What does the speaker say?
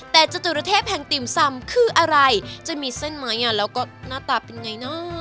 แต่จตุรเทพแห่งติ่มซำคืออะไรจะมีเส้นไม้แล้วก็หน้าตาเป็นไงเนอะ